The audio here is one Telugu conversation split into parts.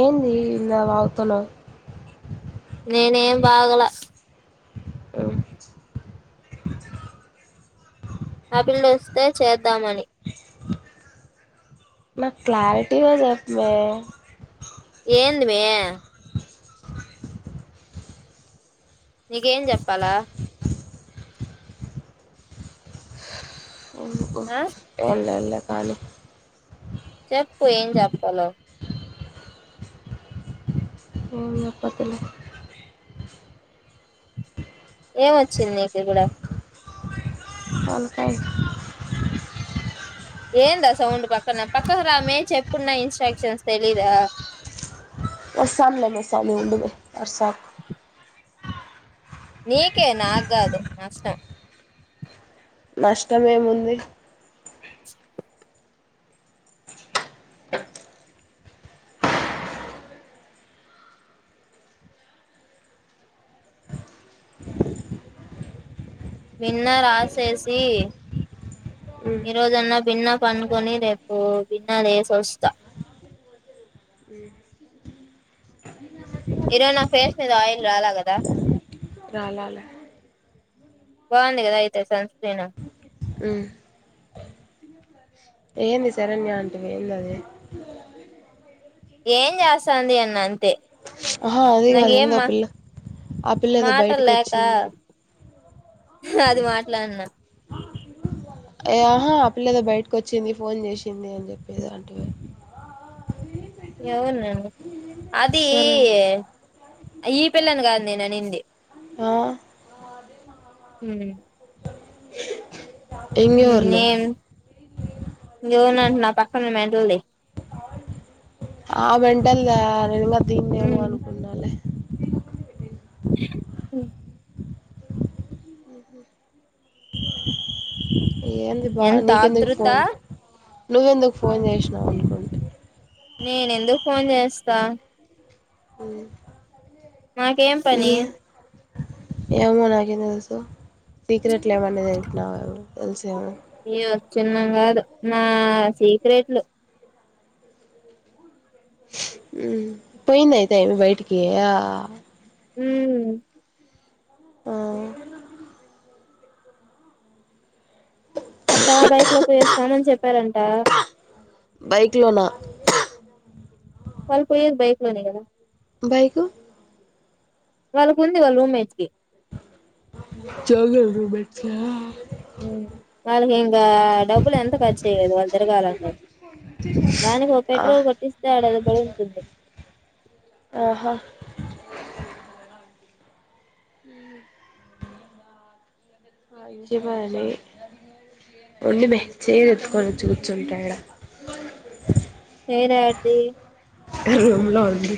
ఏంది ఇలా వాగుతన్నావు? నేనేం బాగలా అవు ఆ పిల్లోస్తే చేద్దామని! నాకు క్లారిటీగ చెప్ మే. ఏంది మే నీకేం చెప్పలా? మ్ పో, ఆ ఏం లేద్లె కాలు చెప్పు ఏం చెప్ పాల? ఏం చెప్పద్దులే. ఏమొచ్చింది నీక్ ఇబ్బుడ తలకాయ్ ఏందా సౌండ్ పక్కన? పక్కక్ రా మే చెప్పున్న ఇన్స్ట్రక్షన్స్ తెలీదా? వస్తాన్లేమే సామీ ఉండు మే, అర్సాకు. నీకే నాగాదు నష్టం నష్టం ఏముంది భిన్న రాసేసి ఈరోజన్న భిన్న పనుకొని రేపు భిన్న లేసోస్తా ఇరోజు నా ఫేస్ మీద ఆయిల్ రాలా కదా రాలాల బాగుంది కదా అయితే సన్ స్క్రీను ఆ ఏంది శరణ్య అంటివి ఏంది అది ఏం చేస్తాంది అన్న అంతే ఆహా అది కాదు నాకేం ఎందో మా పిల్ల ఆ పిల్ల ఏదో మాటలు బయటకి లేక వచ్చింది అది మాట్లాడినా ఏ ఆహా అపిలేదో బయటకు వచ్చింది ఫోన్ చేసింది అని చెప్పి ఏదో అంటివే అవునండి అది సరే ఈ పిల్లని కాదు నేను అనింది ఆ హ ఇంగెవర్ని నేను జోనంట నా పక్కన మెంటల్ ది ఆ మెంటల్ దా నేను ఇంకా దీన్నేమో అనుకున్నాలే ఏంది బా ఎంత నీకెందుక్ ఆతృత ఫోన్ నువ్వెందుకు ఫోన్ చేసినావు అనుకుంటి నేన్ ఎందుక్ ఫోన్ చేస్తా స్తా నాకేం పనీ ఏ ఏమో నాకేం తెలుసు సీక్రెట్లు ఏమనేది చెంటన్నావుమో తెలుసేమో అయ్యో చిన్నం కాదు నా సీక్రెట్లు ఉ పోయింద అయితే ఆ అమ్మి బయటికీ మ్ ఆ అట్టా బైక్ లో పోయొస్తామని చెప్పారంట ఆ బైక్ లో న వాళ్లు పోయేది బైక్ లోనె గద బైకు వాళ్ళకు ఉంది వాళ్ళ రూమ్మేట్స్ కి చోగల్రు బెట్టా [unintelligible] ఉ వాళ్ళకి ఇంకా డబ్బులు ఎంత ఖర్చు అయ్యేది వాళ్ళు తిరగాలంటే దానికి ఒక ఆ పెట్రోల్ కొట్టిస్తే ఆడఅది పడుంటుంది ఆహా [unintelligible] ఉండు మె చైర్ ఎత్తుకొని వచ్చి కూర్చుంటా ఈడ చైన్ యాడిది రూమ్లో ఉంది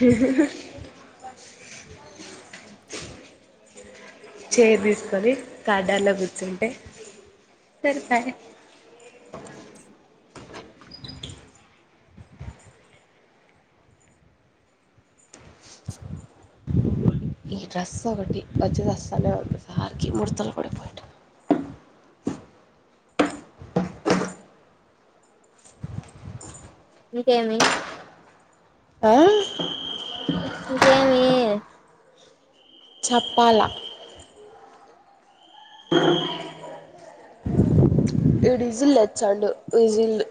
హ్ హ్ చైర్ తీసుకొని, కార్డాల్లో కూర్చుంటే సరిపాయ్. ఈ డ్రెస్ ఒకటి వచ్చి దస్తలేదు ఒకసారికి ముర్తలు పడిపోయేట్లు ఇంకేమి హా ఇంకేమీ చెప్పాలా ఈడు విజిలేచ్చాండు విజిల్లు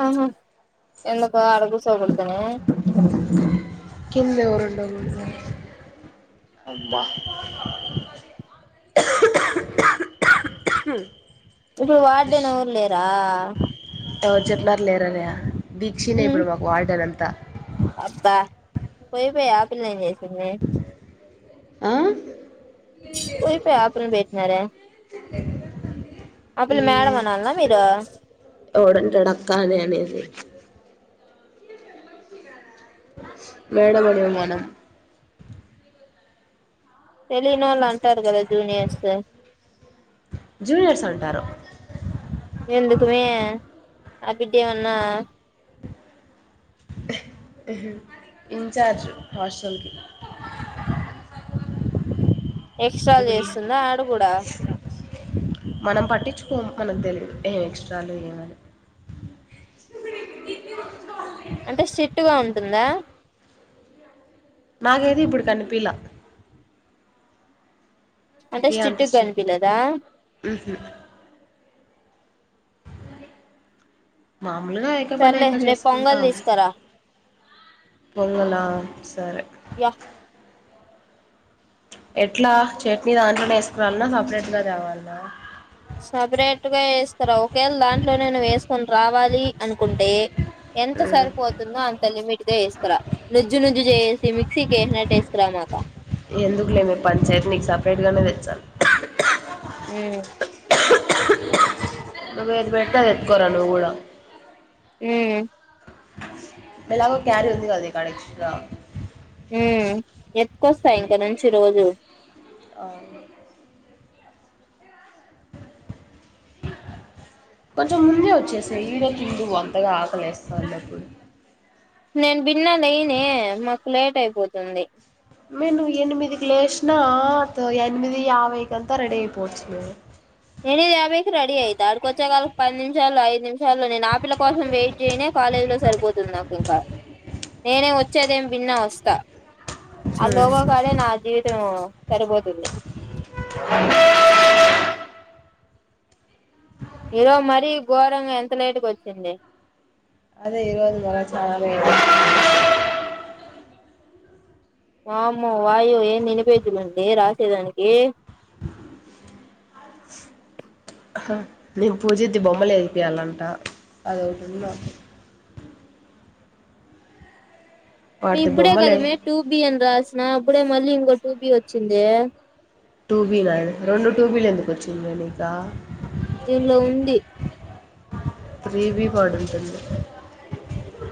అవును ఎందుకు అడగూసో గుం కింద ఎవరూ [inaudible] [inaudible] ఇటు వార్డేన్ ఎవర్లేరా ఎవరు చెప్పినారు లేరనే దీక్షినే ఉమ్ ఇప్పుడు మాకు వార్డెనం త అబ్బా పోయి పొయి ఆ పిల్లేంచే [unintelligible] ఆ పోయి, పోయి ఆ పిల్లని పెట్టినారే, ఆ పిల్ల ఏ మేడం అనాల్నా మీరు. ఎవడంటాడు అక్క అని అనేది మేడం అండి మనం తెలియనోళ్లు అంటారు గద జూనియర్స్ జూనియర్స్ అంటారు ఎందుకుమే ఆ బిడ్డ ఏమన్న ఇన్ఛార్జ్ హాస్టల్కి ఎక్స్ట్రాలు ఇప్పుడు చేస్తుంద అడగూడా మనం పట్టించుకోము, మనకు తెలియదు. ఏం ఎక్స్ట్రాలో ఏమని అంటే స్టిట్ ఉం టుందా మాకైతే ఇప్పుడు కనిపిలా అంటే ఏ అంత స్టిట్గా స్ట్రిక్ట్ కనిపిలేదా మా మామూలుగా ఆయక్క పని సర్లే ఆయక్క రేపు పొంగల్ చేసుకుంటాది. తీసుకురా పొంగలా సరే యా ఎట్లా చట్నీ దాంట్లోనే వేసుకురావాలన్నా సపరేట్ గా తేవాలన్నా సపరేట్ గా వేస్కార ఒకేళ దాంట్లోనే నువ్వు వేసుకొని రావా లి అనుకుంటే ఎంత ఉమ్ సరిపోతుందో అంత లిమిట్ గా వేసకరా నుజ్జు నుజ్జు జెస్ [unintelligible] మిక్సీ కేసినట్టు వేసుకోరామాకు ఎందుకులేమే పంచాయతీ నీకు సపరేట్గానే తెచ్చాలే ఉ నువ్వు ఏది పెడితే అది ఎత్తుకొరా నువ్వు కూడా ఉ ఏలాగో క్యారీ ఉంది కదా ని కాడ ఎక్స్ట్రా ఉమ్ ఎత్తుకొస్తా ఇక నుంచి రోజు అవు కొంచెం ముందే వచ్చేసి ఈరోజు చుడు అంతగా ఆకలేస్తాన్నప్పుడు నేను బిన్నా లేయనే మాకు లేట్ అయిపోతుంది నేను ఎనిమిదికి లేచినా త ఎనిమిది యాభైకింతా రెడీ అయిపోవచ్చు మేము యానిమిది యాభై కి రెడి అయితే అడకి వచ్చా కల్ పది నిమిషాలు ఐదు నిమిషం చలో నేను ఆపిల్ల కోసం వెయిట్ చేయనే కాలేజ్ లో సరిపోతుంది నాకు ఇంకా నేనే వచ్చేదేం భిన్న వస్తా ఆ లోగో కడే నా జీవితమెమో సరిపోతుంది [unintelligible] ఇగో మరీ ఘోరంగ ఎంత లేటుగా వచ్చింది అదే ఈ రోజు కూడా చాలా లేట్ అయింది వామ్మో వాయో ఏంది ఇన్ని పేజీలు ఉంది రాసేదానికి ఆహా నేను పూజది బొమ్మలు ఎపి యాలంట అది ఒకటి ఉంది నాకు వాటిది ఇప్పుడే బొమ్మలే కదామే టూ బి అన్ని రాసి నా కూడా మళ్ళీ ఇంకో టూ బి వచ్చిందే టూబి నైన్ రెండు టూబిలు ఎందుకు వచ్చింది నీకా దీంలో ఉంది త్రీ వి వాడు ఉంచొచ్చు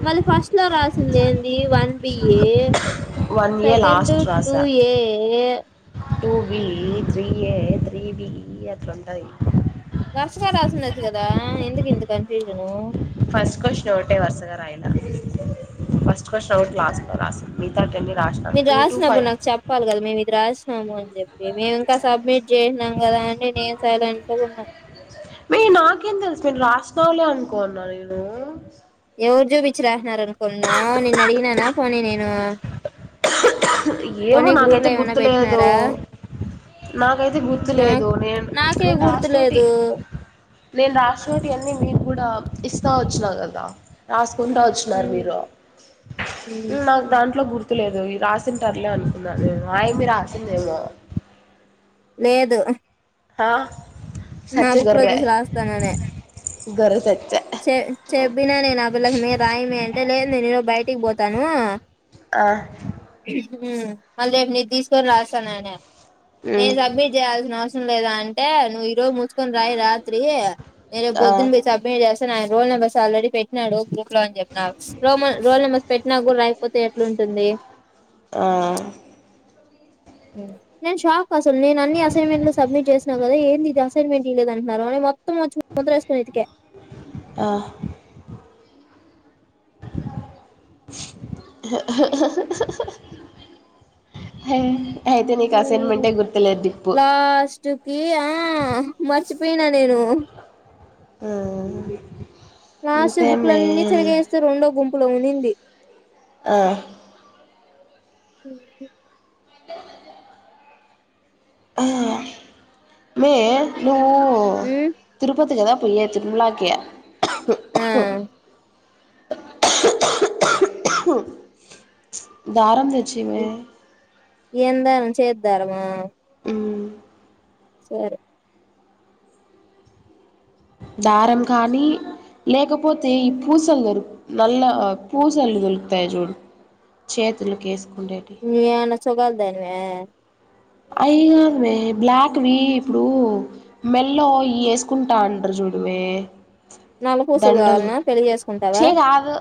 మళ్ళీ ఫస్ట్ లో రాసింది ఏంది one B A one A second last two రాసా A A two B three A three B ఎట్ రెంద వరుసగా రాసి ఉండొచ్చు కదా ఎందుకు ఇంత కన్ఫ్యూజను ఫస్ట్ క్వశ్చన్ ఒకటే వరుసగా రాయటం ఫస్ట్ క్వశ్చన్ ఒకటి లాస్ట్ లో రాస్తా మిగతా టే మీరు రాసినప్పుడు నాకు చెప్పాలి కదా మేము ఇది రాసినాము అని చెప్పి మేము ఇంకా సబ్మిట్ చేసినాం కదా అనీ నేను సైలెంట్ గా ఉన్నాం మీ నాకేం తెలుసు నేను రాసినవలే అనుకోన్నా నేను ఎవరికి చూపించి రాసినారు అనుకున్న నిన్ను అడిగినానా పోనీ నేను ఏమో పోనీ గ్రూప్ లో నాకైతే ఏమైనా గుర్తులేదు పెట్టినారా నాకైతే గుర్తు నా లేదు నేను నాకే నేను రాసుంటి గుర్తులేదు నేను రాసినోటి అన్నీ నీకు కూడా ఇస్తా వచ్చినా కదా రాసు కుంటా వచ్చిన్నారు మీరు నాకు దాంట్లో గుర్తు లేదు ఈ రాసి ఉంటారులే అనుకున్నా నేను అయ్యమ్మి రాసిందేమో లేదు ఆ నా సచ్చ బుక్ లో గొర్రె చూసి రాస్తాననే గొర్రె సచ్చ చె చెప్పినా నేను ఆ పిల్లకి మే రాయి మే అంటే నేను బయటికి పోతాను ఆ [unintelligible] తీసుకొని రాస్తాను ఆ ఉమ్ నేను సబ్మిట్ చేయాల్సిన అవ లేదా అంటే నువ్వు తీకని రాయి రాత్రి నేను ఆ బొద్దుని మీ సబ్మిట్ చేస్తాను ఆయన రోల్ నెంబస్ ఆల్రెడ పెట్టినాడు గ్రూప్ లో అని చెప్పి రో రోల్ నంబర్స్ పెట్టిన కూడా రాయక్ కాకపోతే ఎట్లాంటుంది ఆ నన్ షా అసలు నేను అన్ని అసైన్మెంట్లు సబ్మిట్ చేసిన కదా ఏంది ఇది అసైన్మెంట్ ఈ లేదు అంటన్నారు మొత్త మొత్తం [unintelligible] వదిలేసి పోయిన ఇంటికి ఆ హ లాస్ట్ కి ఆ చ్చిపోయినా నేను ఆ లాస్ట్ కి బుక్కులన్నీ చెరిగేస్తే రెండో గుంపులో ఉంది ఆ మే ఓ ఉమ్ తిరుపతి లేదా పో వచి తిరుమలకి ఆ దారం తే చిమే ఏం దారం చేతి దారం ఆ మమ్ సరే దారం కానీ లేకపోతే ఈ పూసలు దొరుకు నల్ల పూసలు దొరుకుతాయి చూడు చేతులకేస్ న్యూ [unintelligible] [unintelligible] అయి కవమే బ్లాక్ వి ఇవి ఇప్పుడు మెల్లో ఇ ఏసుకుంటారు చూడవే నల్ల పూసలు దండలు కావాలనా పెళ్లి చేసుకుంటావా చే కాదు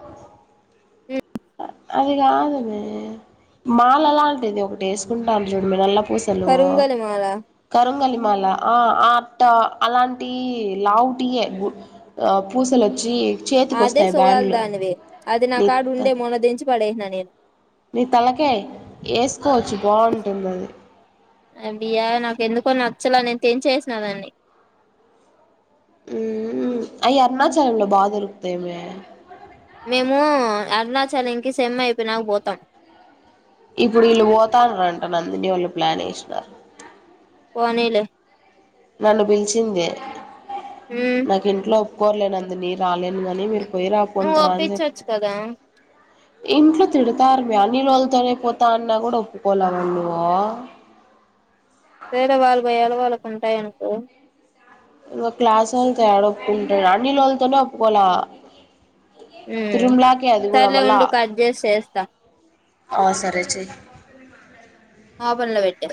అది కాదువే మాల అలాంటిది ఒకటి వేసుకుంటా [unintelligible] పూసలు కరుంగలి మాల కరుంగళి మాల ఆ ఆట్ట అలాంటి లేవుటియే పూసలొచ్చి అదే చేతికొస్తాయి సుగాలు బ్యాండ్లు దానివే అది నా నీ కాడ ఉండే మొన్న తెచ్చ్ పడేసిన నేను నీ తలకాయ వేసుకోవచ్చు బాగుంటుంది అది అబియా నాకు ఎందుకో నచ్చలే నేను తెంచేసిన దాన్ని అయ్యి అరుణాచలం లో బా దొరుకుతాయి మే మేము అరుణాచలంకి సెమ్ అయిపోయినాక పోతాం ఇప్పుడు వీళ్ళు పోతారంటన నందిని వాళ్ళు ప్లాన్ ఏసినారు పోనీలే నన్ను పిలిచింది ఉమ్ నాకు ఇంట్లో బోర్లేనందు నీరు రాలేను గాని మీరు నువ్వు పోయిరాపోండ్రా రా అని చెప్ప ఒప్పించచ్చు కదా ఇంట్లో తిడతారు మీ అనిల్ వాళ్లతోనే పోతా అన్నా కూడా ఒప్పుకోలే వాళ్లు సరే వాళ్ళు భయాలు వాళ్ళకు ఉంటాయి అనుకో ఇంకా క్లాస్ వాళ్ళతో యాడ ఒప్పుకుంటారు అనిల్ వాళ్ళతోనే ఒప్పుకోల మ్మ్ సర్లే ఉండు కట్ చేసి చేస్తా ఆ సరే చేయి ఆవన్ లో పెట్టా